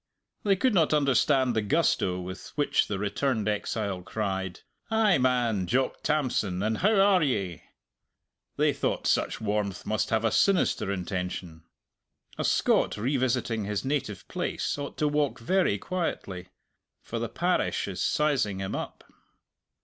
They could not understand the gusto with which the returned exile cried, "Ay, man, Jock Tamson, and how are ye?" They thought such warmth must have a sinister intention. A Scot revisiting his native place ought to walk very quietly. For the parish is sizing him up.